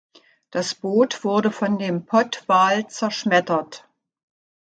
Das Boot wurde von dem Pottwahl zerschmettert.